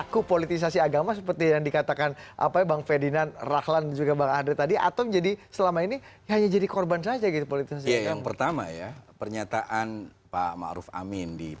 kita tidak butuh pencitraan